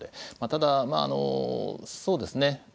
ただまあそうですね